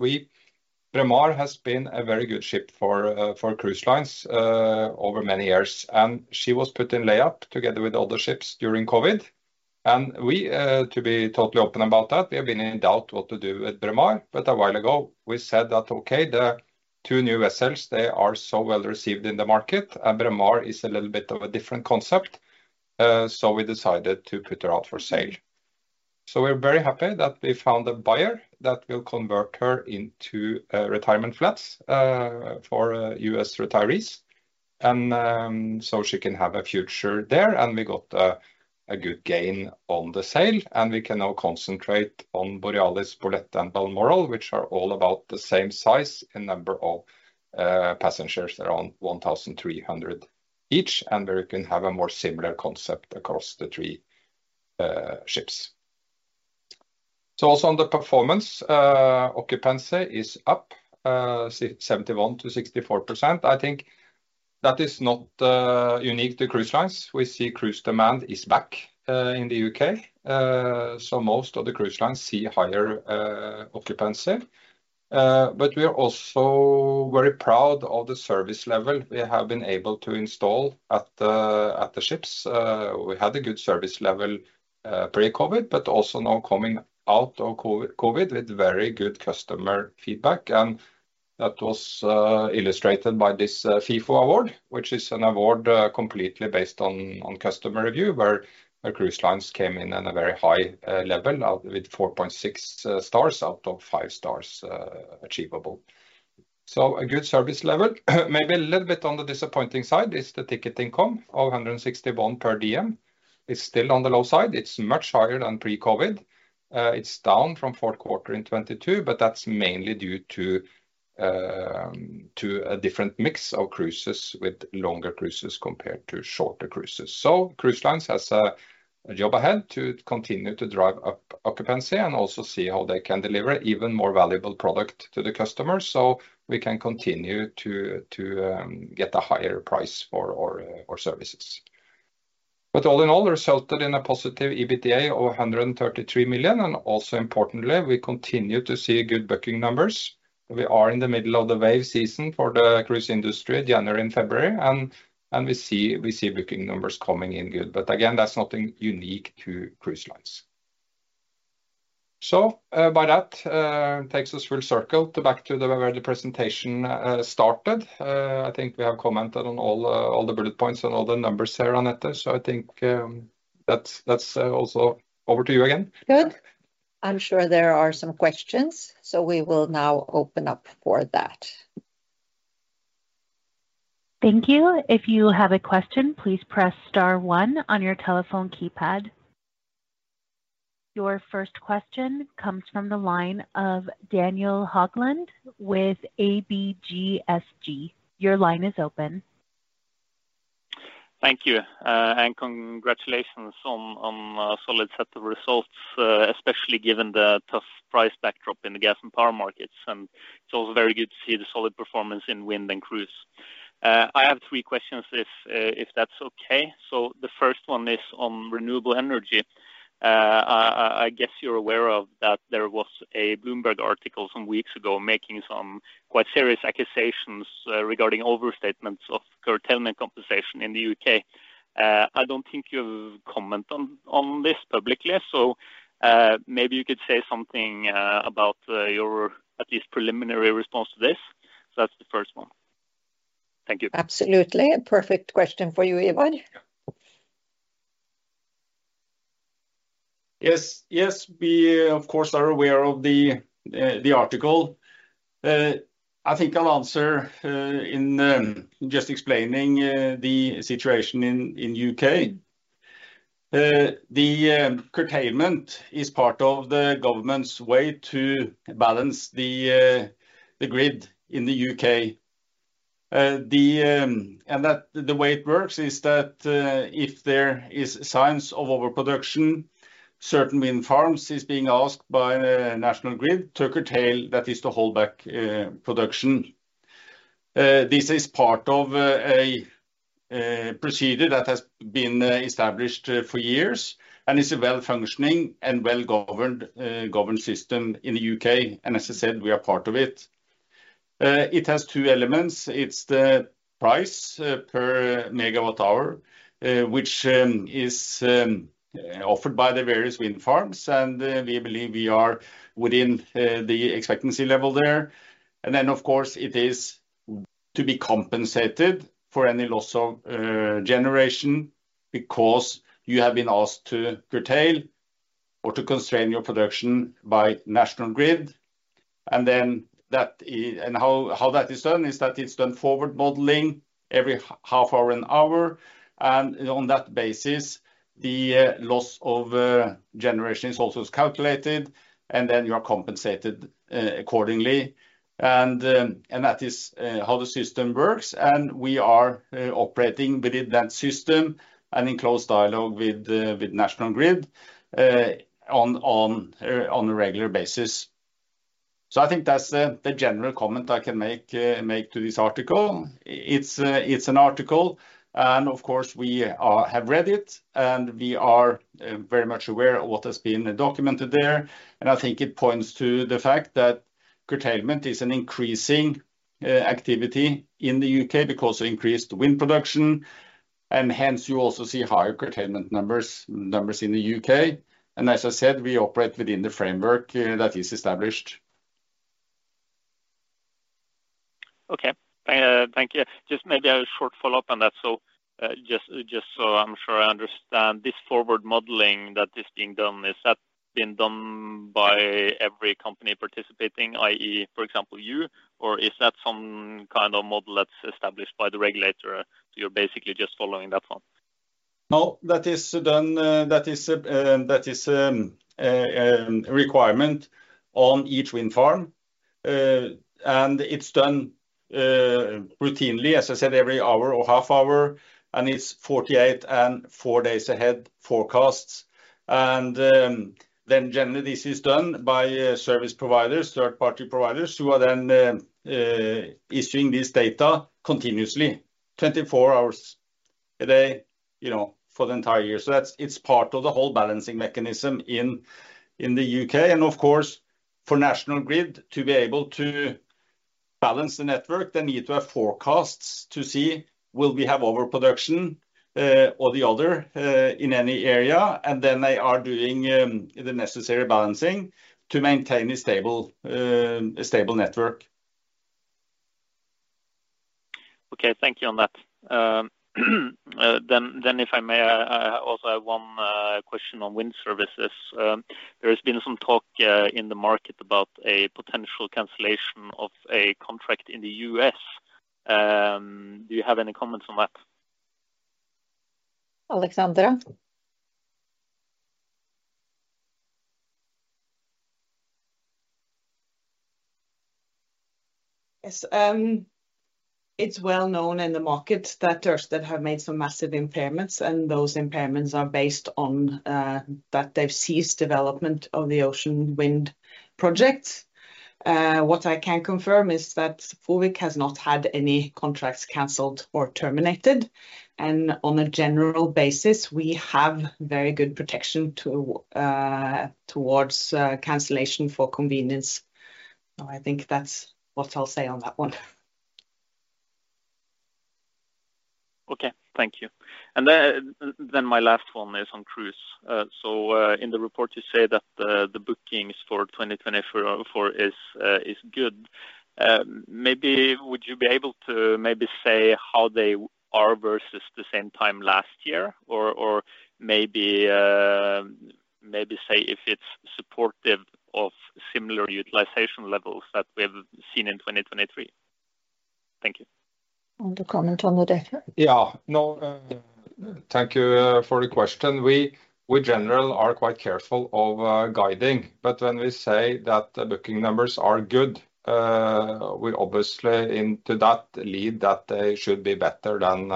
Braemar has been a very good ship for cruise lines over many years. And she was put in layup together with other ships during COVID. And to be totally open about that, we have been in doubt what to do with Braemar. But a while ago, we said that, okay, the two new vessels, they are so well received in the market, and Braemar is a little bit of a different concept. So we decided to put her out for sale. So we're very happy that we found a buyer that will convert her into retirement flats for U.S. retirees. So she can have a future there. We got a good gain on the sale. We can now concentrate on Borealis, Bolette, and Balmoral, which are all about the same size in number of passengers. They're on 1,300 each. We can have a more similar concept across the three ships. Also on the performance, occupancy is up 71%-64%. I think that is not unique to cruise lines. We see cruise demand is back in the U.K. Most of the cruise lines see higher occupancy. We are also very proud of the service level we have been able to install at the ships. We had a good service level pre-COVID, but also now coming out of COVID with very good customer feedback. That was illustrated by this Feefo award, which is an award completely based on customer review, where cruise lines came in at a very high level with 4.6 stars out of five stars achievable. So a good service level. Maybe a little bit on the disappointing side is the ticket income of 160 bond per diem. It's still on the low side. It's much higher than pre-COVID. It's down from Q4 in 2022, but that's mainly due to a different mix of cruises with longer cruises compared to shorter cruises. So cruise lines have a job ahead to continue to drive up occupancy and also see how they can deliver even more valuable product to the customers so we can continue to get a higher price for our services. But all in all, resulted in a positive EBITDA of 133 million. Also importantly, we continue to see good booking numbers. We are in the middle of the wave season for the cruise industry, January and February. We see booking numbers coming in good. Again, that's nothing unique to cruise lines. So by that, takes us full circle back to where the presentation started. I think we have commented on all the bullet points and all the numbers here, Anette. I think that's also over to you again. Good. I'm sure there are some questions. We will now open up for that. Thank you. If you have a question, please press star 1 on your telephone keypad. Your first question comes from the line of Daniel Haugland with ABG SC. Your line is open. Thank you. And congratulations on a solid set of results, especially given the tough price backdrop in the gas and power markets. And it's also very good to see the solid performance in wind and cruise. I have three questions, if that's okay. So the first one is on renewable energy. I guess you're aware of that there was a Bloomberg article some weeks ago making some quite serious accusations regarding overstatements of curtailment compensation in the U.K. I don't think you have commented on this publicly. So maybe you could say something about your at least preliminary response to this. So that's the first one. Thank you. Absolutely. A perfect question for you, Ivar. Yes. Yes, we, of course, are aware of the article. I think I'll answer in just explaining the situation in the UK. The curtailment is part of the government's way to balance the grid in the UK. And the way it works is that if there are signs of overproduction, certain wind farms are being asked by the national grid to curtail, that is, to hold back production. This is part of a procedure that has been established for years and is a well-functioning and well-governed system in the UK. And as I said, we are part of it. It has two elements. It's the price per megawatt-hour, which is offered by the various wind farms. And we believe we are within the expectancy level there. Then, of course, it is to be compensated for any loss of generation because you have been asked to curtail or to constrain your production by the national grid. And how that is done is that it's done forward modeling every half hour and hour. And on that basis, the loss of generation is also calculated. And then you are compensated accordingly. And that is how the system works. And we are operating within that system and in close dialogue with the national grid on a regular basis. So I think that's the general comment I can make to this article. It's an article. And of course, we have read it. And we are very much aware of what has been documented there. And I think it points to the fact that curtailment is an increasing activity in the U.K. because of increased wind production. Hence, you also see higher curtailment numbers in the UK. As I said, we operate within the framework that is established. Okay. Thank you. Just maybe a short follow-up on that. So just so I'm sure I understand, this forward modeling that is being done, is that been done by every company participating, i.e., for example, you? Or is that some kind of model that's established by the regulator? You're basically just following that one? No, that is done. That is a requirement on each wind farm. And it's done routinely, as I said, every hour or half hour. And it's 48 and four days ahead forecasts. And then generally, this is done by service providers, third-party providers, who are then issuing this data continuously, 24 hours a day for the entire year. So it's part of the whole balancing mechanism in the U.K. And of course, for the national grid to be able to balance the network, they need to have forecasts to see, will we have overproduction or the other in any area? And then they are doing the necessary balancing to maintain a stable network. Okay. Thank you on that. Then if I may, I also have one question on wind services. There has been some talk in the market about a potential cancellation of a contract in the U.S. Do you have any comments on that? Alexandra? Yes. It's well known in the market that there have been some massive impairments. Those impairments are based on that they've ceased development of the Ocean Wind projects. What I can confirm is that FOWIC has not had any contracts cancelled or terminated. On a general basis, we have very good protection towards cancellation for convenience. I think that's what I'll say on that one. Okay. Thank you. And then my last one is on cruise. So in the report, you say that the bookings for 2024 is good. Maybe would you be able to maybe say how they are versus the same time last year? Or maybe say if it's supportive of similar utilization levels that we have seen in 2023? Thank you. A comment on that, Ivar? Yeah. No, thank you for the question. We, in general, are quite careful of guiding. But when we say that the booking numbers are good, we obviously meant that they should be better than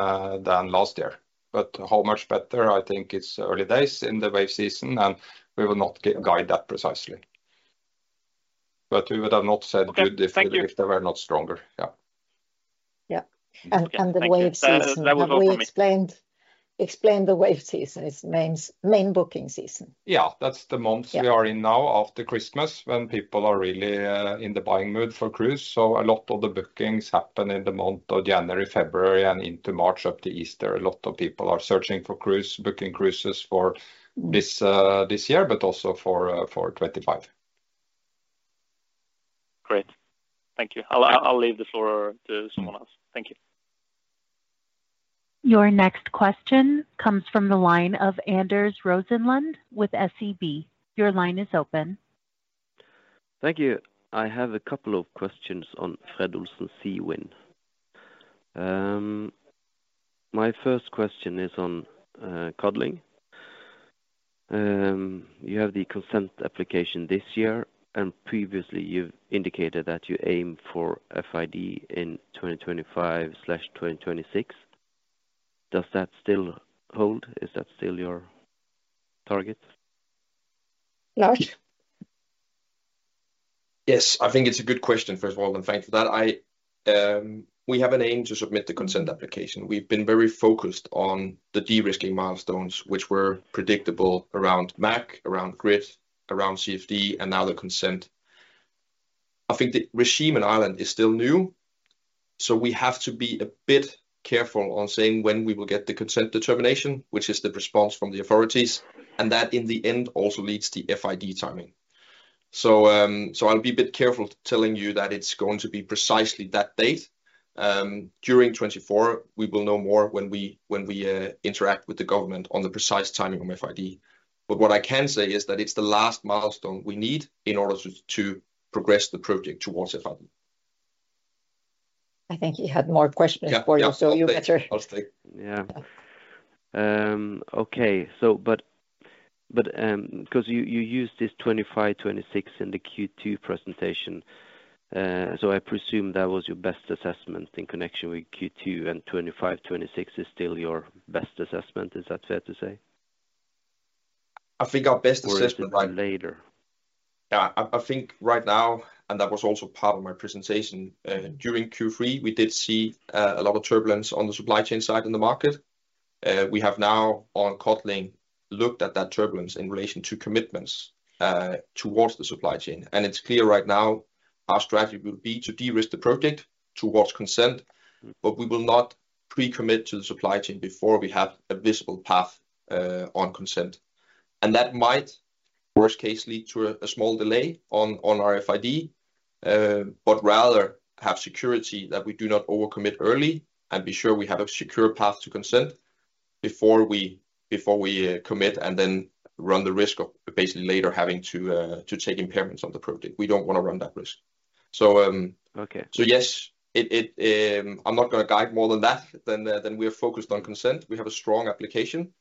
last year. But how much better? I think it's early days in the wave season. And we will not guide that precisely. But we would have not said good if they were not stronger. Yeah. Yeah. And the wave season, when we explained the wave season, it's main booking season. Yeah. That's the month we are in now after Christmas when people are really in the buying mood for cruise. A lot of the bookings happen in the month of January, February, and into March up to Easter. A lot of people are searching for cruise, booking cruises for this year, but also for 2025. Great. Thank you. I'll leave the floor to someone else. Thank you. Your next question comes from the line of Anders Rosenlund with SEB. Your line is open. Thank you. I have a couple of questions on Fred. Olsen Seawind. My first question is on Codling. You have the consent application this year. Previously, you've indicated that you aim for FID in 2025/2026. Does that still hold? Is that still your target? Lars? Yes. I think it's a good question, first of all. Thanks for that. We have an aim to submit the consent application. We've been very focused on the de-risking milestones, which were predictable around MAC, around grid, around CFD, and now the consent. I think the regime in Ireland is still new. We have to be a bit careful on saying when we will get the consent determination, which is the response from the authorities. That, in the end, also leads to FID timing. I'll be a bit careful telling you that it's going to be precisely that date. During 2024, we will know more when we interact with the government on the precise timing of FID. What I can say is that it's the last milestone we need in order to progress the project towards FID. I think he had more questions for you. So you better. Yeah. Okay. Because you used this 2025/2026 in the Q2 presentation. So I presume that was your best assessment in connection with Q2. And 2025/2026 is still your best assessment. Is that fair to say? I think our best assessment. Or later. Yeah. I think right now, and that was also part of my presentation, during Q3, we did see a lot of turbulence on the supply chain side in the market. We have now, on Codling, looked at that turbulence in relation to commitments towards the supply chain. And it's clear right now our strategy will be to de-risk the project towards consent. But we will not pre-commit to the supply chain before we have a visible path on consent. And that might, worst case, lead to a small delay on our FID, but rather have security that we do not overcommit early and be sure we have a secure path to consent before we commit and then run the risk of basically later having to take impairments on the project. We don't want to run that risk. So yes, I'm not going to guide more than that. Then we are focused on consent. We have a strong application.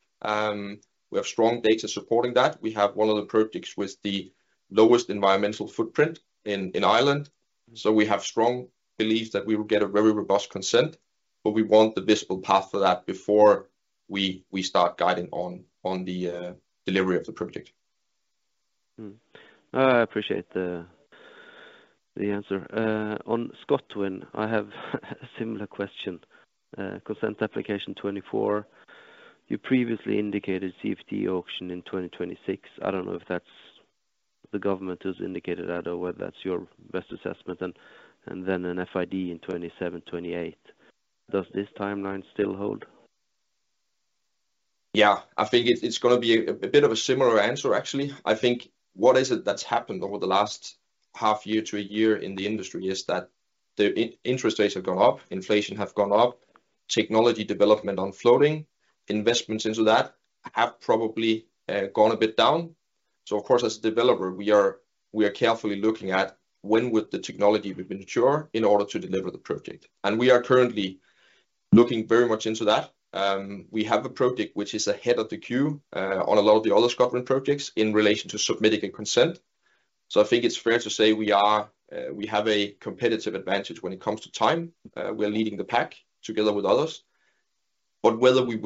We have strong data supporting that. We have one of the projects with the lowest environmental footprint in Ireland. So we have strong belief that we will get a very robust consent. But we want the visible path for that before we start guiding on the delivery of the project. I appreciate the answer. On Scotland, I have a similar question. Consent application 2024. You previously indicated CFD auction in 2026. I don't know if that's the government has indicated that or whether that's your best assessment. And then an FID in 2027/2028. Does this timeline still hold? Yeah. I think it's going to be a bit of a similar answer, actually. I think what is it that's happened over the last half year to a year in the industry is that the interest rates have gone up, inflation has gone up, technology development on floating, investments into that have probably gone a bit down. So of course, as a developer, we are carefully looking at when would the technology be mature in order to deliver the project. And we are currently looking very much into that. We have a project which is ahead of the queue on a lot of the other Scotland projects in relation to submitting a consent. So I think it's fair to say we have a competitive advantage when it comes to time. We are leading the pack together with others. But whether we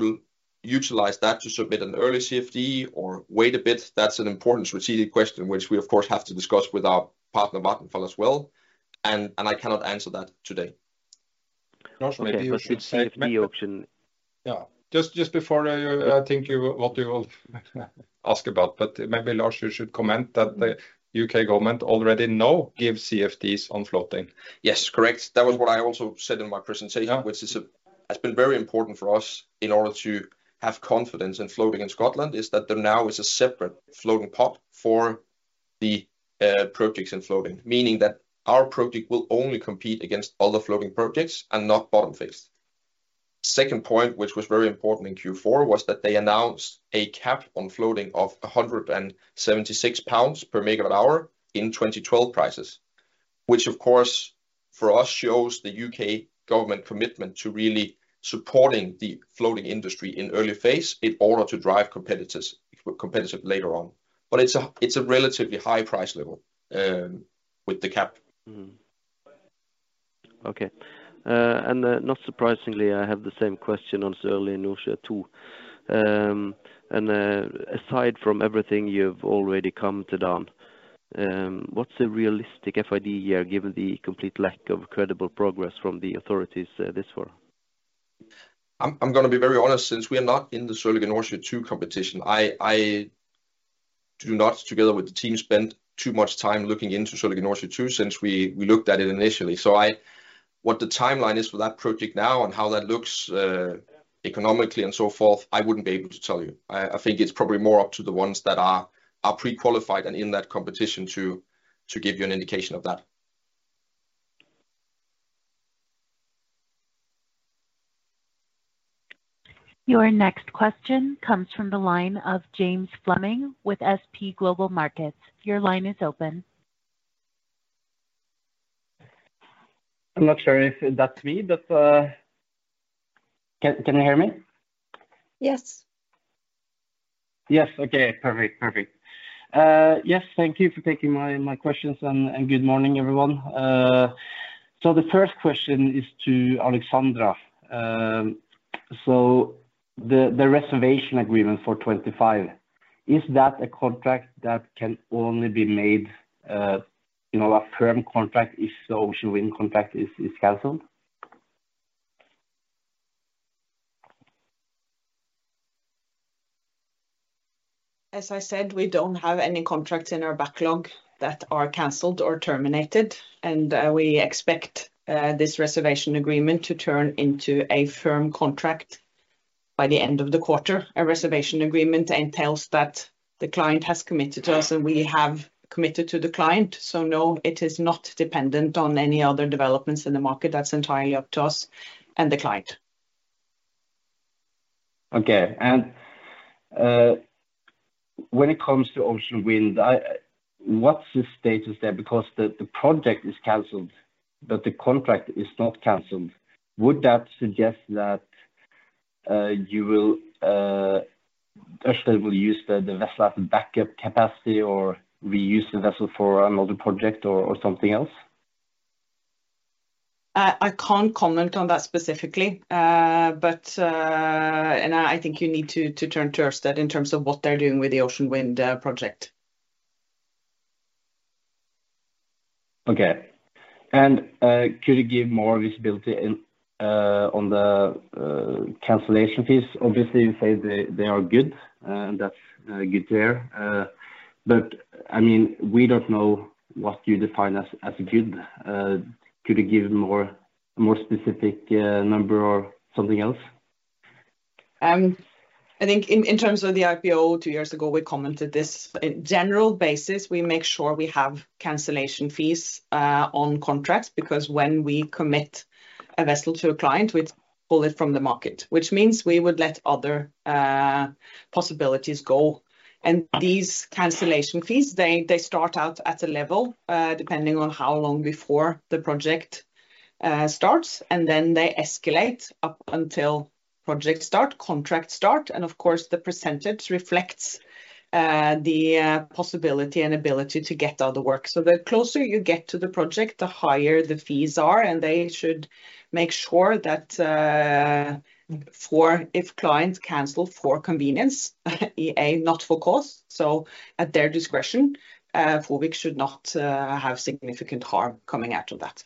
will utilize that to submit an early CFD or wait a bit, that's an important strategic question which we, of course, have to discuss with our partner, Vattenfall, as well. And I cannot answer that today. Lars, maybe should say the auction. Yeah. Just before I think what you will ask about. But maybe Lars should comment that the UK government already now gives CFDs on floating. Yes. Correct. That was what I also said in my presentation, which has been very important for us in order to have confidence in floating in Scotland, is that there now is a separate floating pot for the projects in floating, meaning that our project will only compete against other floating projects and not bottom-fixed. Second point, which was very important in Q4, was that they announced a cap on floating of 176 pounds per megawatt-hour in 2012 prices, which, of course, for us shows the UK government commitment to really supporting the floating industry in early phase in order to drive competitiveness later on. But it's a relatively high price level with the cap. Okay. Not surprisingly, I have the same question on Sørlige Nordsjø II Aside from everything you've already come to down, what's the realistic FID year given the complete lack of credible progress from the authorities this year? I'm going to be very honest. Since we are not in the Sørlige Nordsjø II competition, I do not, together with the team, spend too much time looking into Sørlige Nordsjø II since we looked at it initially. So what the timeline is for that project now and how that looks economically and so forth, I wouldn't be able to tell you. I think it's probably more up to the ones that are pre-qualified and in that competition to give you an indication of that. Your next question comes from the line of James Fleming with S&P Global Markets. Your line is open. I'm not sure if that's me, but can you hear me? Yes. Yes. Okay. Perfect. Perfect. Yes. Thank you for taking my questions. And good morning, everyone. So the first question is to Alexandra. So the reservation agreement for 2025, is that a contract that can only be made a firm contract if the ocean wind contract is cancelled? As I said, we don't have any contracts in our backlog that are cancelled or terminated. We expect this reservation agreement to turn into a firm contract by the end of the quarter. A reservation agreement entails that the client has committed to us, and we have committed to the client. So no, it is not dependent on any other developments in the market. That's entirely up to us and the client. Okay. When it comes to offshore wind, what's the status there? Because the project is cancelled, but the contract is not cancelled. Would that suggest that you will actually use the vessel as a backup capacity or reuse the vessel for another project or something else? I can't comment on that specifically. I think you need to turn to us in terms of what they're doing with the ocean wind project. Okay. And could you give more visibility on the cancellation fees? Obviously, you say they are good. That's good to hear. But I mean, we don't know what you define as good. Could you give a more specific number or something else? I think in terms of the IPO two years ago, we commented this. In general basis, we make sure we have cancellation fees on contracts because when we commit a vessel to a client, we pull it from the market, which means we would let other possibilities go. These cancellation fees, they start out at a level depending on how long before the project starts. Then they escalate up until projects start, contracts start. Of course, the percentage reflects the possibility and ability to get other work. So the closer you get to the project, the higher the fees are. They should make sure that if clients cancel for convenience, EA, not for cause. So at their discretion, FOVIC should not have significant harm coming out of that.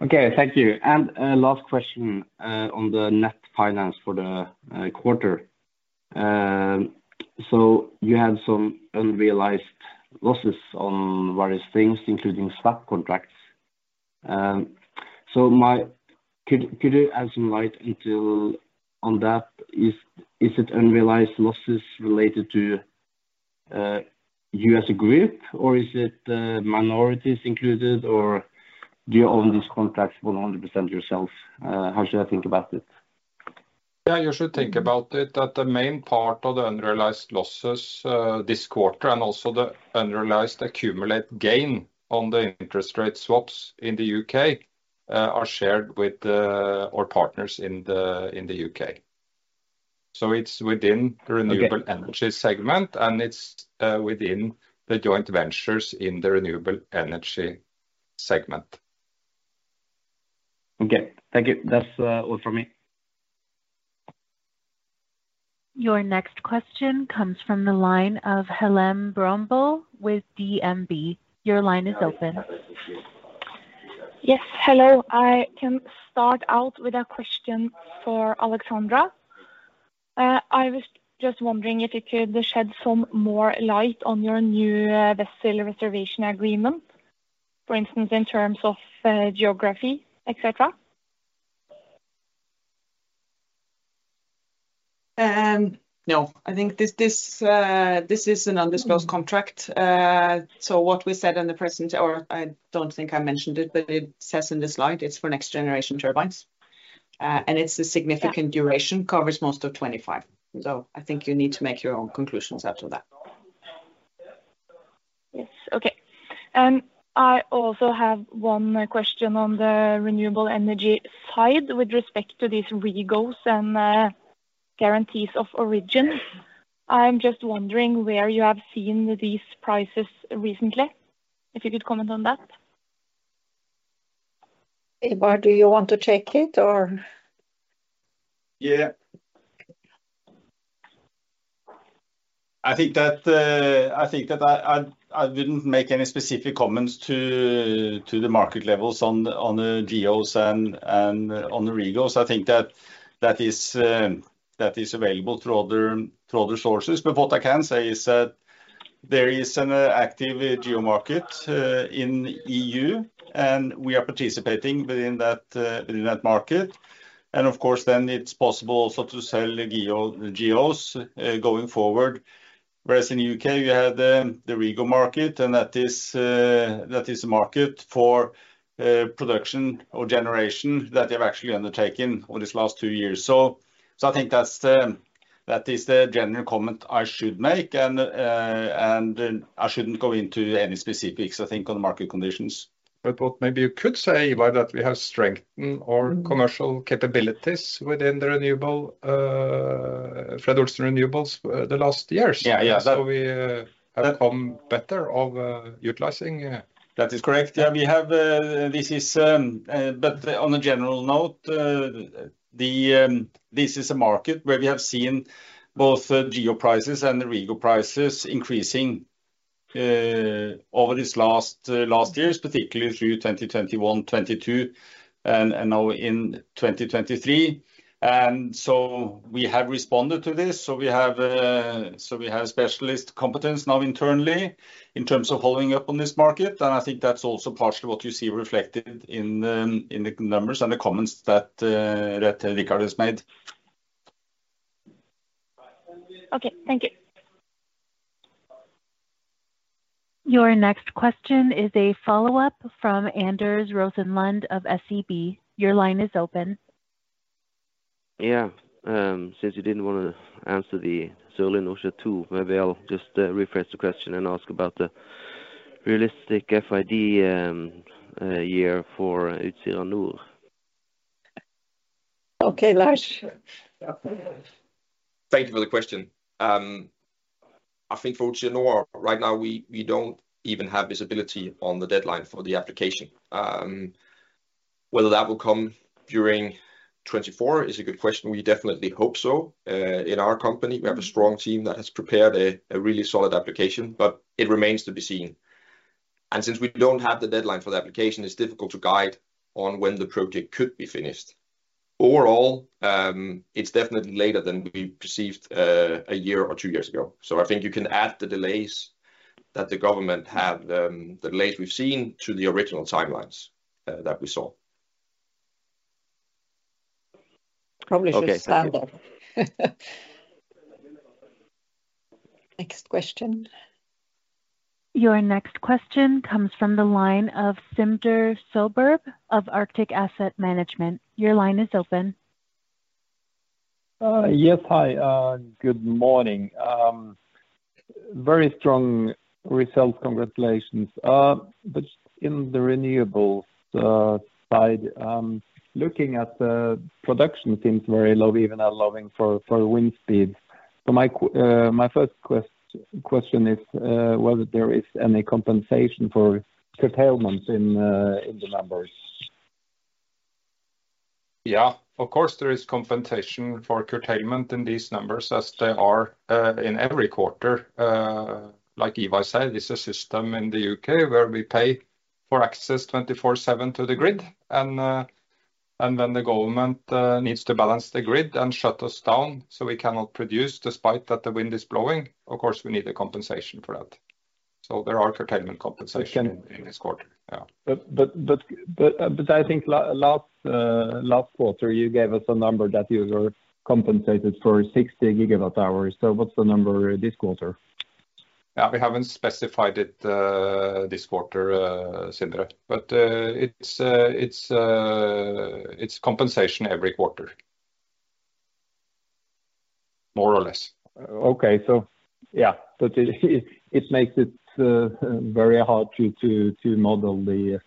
Okay. Thank you. And last question on the net finance for the quarter. So you had some unrealized losses on various things, including swap contracts. So could you add some light on that? Is it unrealized losses related to you as a group, or is it minorities included? Or do you own these contracts 100% yourself? How should I think about it? Yeah. You should think about it that the main part of the unrealized losses this quarter and also the unrealized accumulate gain on the interest rate swaps in the U.K. are shared with our partners in the U.K. So it's within the renewable energy segment, and it's within the joint ventures in the renewable energy segment. Okay. Thank you. That's all from me. Your next question comes from the line of Helem Brømbø with DNB. Your line is open. Yes. Hello. I can start out with a question for Alexandra. I was just wondering if you could shed some more light on your new vessel reservation agreement, for instance, in terms of geography, etc. No. I think this is an undisclosed contract. So what we said in the present or I don't think I mentioned it, but it says in the slide, it's for next-generation turbines. And it's a significant duration, covers most of 2025. So I think you need to make your own conclusions after that. Yes. Okay. I also have one question on the renewable energy side with respect to these REGOs and guarantees of origin. I'm just wondering where you have seen these prices recently, if you could comment on that? Ivar, do you want to check it, or? Yeah. I think that I wouldn't make any specific comments to the market levels on the GOs and on the REGOs. I think that that is available through other sources. But what I can say is that there is an active GO market in the EU, and we are participating within that market. And of course, then it's possible also to sell GEOs going forward. Whereas in the UK, we had the REGO market, and that is a market for production or generation that they have actually undertaken over these last two years. So I think that is the general comment I should make. And I shouldn't go into any specifics, I think, on the market conditions. But what maybe you could say, Eduard, that we have strengthened our commercial capabilities within Fred. Olsen Renewables the last years. So we have come better of utilizing. That is correct. Yeah. This is, but on a general note, this is a market where we have seen both GO prices and the REGO prices increasing over these last years, particularly through 2021, 2022, and now in 2023. And so we have responded to this. So we have specialist competence now internally in terms of following up on this market. And I think that's also partially what you see reflected in the numbers and the comments that Richard has made. Okay. Thank you. Your next question is a follow-up from Anders Rosenlund of SEB. Your line is open. Yeah. Since you didn't want to answer the Baltica 2, maybe I'll just rephrase the question and ask about the realistic FID year for Utsira Nord. Okay. Large? Thank you for the question. I think for Utsira Nord, right now, we don't even have visibility on the deadline for the application. Whether that will come during 2024 is a good question. We definitely hope so. In our company, we have a strong team that has prepared a really solid application, but it remains to be seen. And since we don't have the deadline for the application, it's difficult to guide on when the project could be finished. Overall, it's definitely later than we perceived a year or two years ago. So I think you can add the delays that the government have the delays we've seen to the original timelines that we saw. Probably should stand up. Next question. Your next question comes from the line of Sindre Søberye of Arctic Asset Management. Your line is open. Yes. Hi. Good morning. Very strong results. Congratulations. But on the renewables side, looking at the production seems very low, even allowing for wind speeds. So my first question is whether there is any compensation for curtailment in the numbers. Yeah. Of course, there is compensation for curtailment in these numbers as they are in every quarter. Like Ivar said, it's a system in the UK where we pay for access 24/7 to the grid. And when the government needs to balance the grid and shut us down so we cannot produce despite that the wind is blowing, of course, we need a compensation for that. So there are curtailment compensations in this quarter. Yeah. I think last quarter, you gave us a number that you were compensated for 60 GWh. What's the number this quarter? Yeah. We haven't specified it this quarter, Sindre. But it's compensation every quarter, more or less. Okay. So yeah. So it makes it very hard to model the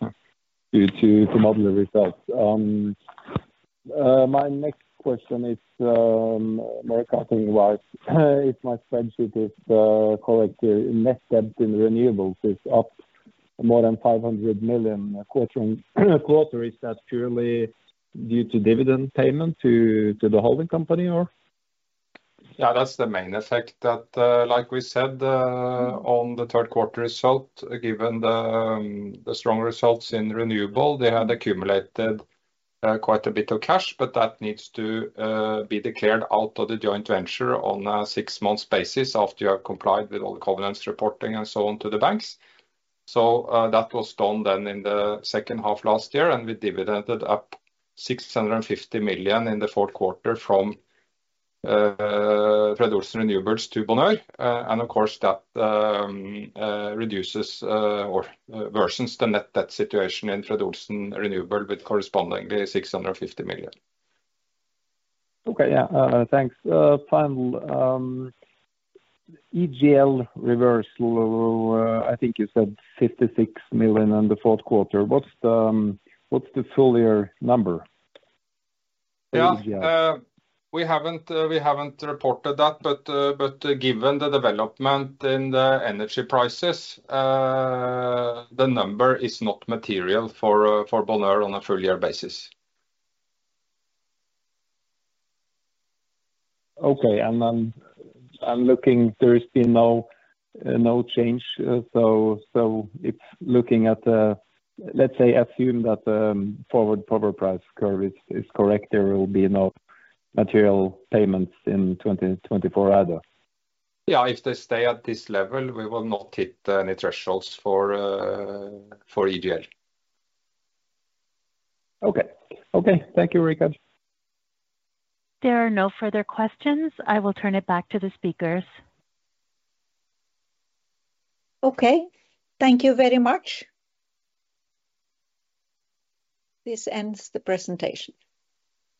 results. My next question is more accounting-wise. If my spreadsheet is correct, net debt in renewables is up more than 500 million quarterly. Is that purely due to dividend payment to the holding company, or? Yeah. That's the main effect that, like we said, on the third-quarter result, given the strong results in renewable, they had accumulated quite a bit of cash. But that needs to be declared out of the joint venture on a six-month basis after you have complied with all the covenants reporting and so on to the banks. So that was done then in the second half last year. And we dividended up 650 million in the Q4 from Fred. Olsen Renewables to Bonheur. And of course, that reduces or reverses the net debt situation in Fred. Olsen Renewables with correspondingly 650 million. Okay. Yeah. Thanks. Finally, EGL reversal, I think you said 56 million in the Q4. What's the full year number in EGL? Yeah. We haven't reported that. But given the development in the energy prices, the number is not material for Bonheur on a full-year basis. Okay. Then I'm looking; there has been no change. So it's looking at, let's say, assume that forward proper price curve is correct. There will be no material payments in 2024 either. Yeah. If they stay at this level, we will not hit any thresholds for EGL. Okay. Okay. Thank you, Richard. There are no further questions. I will turn it back to the speakers. Okay. Thank you very much. This ends the presentation.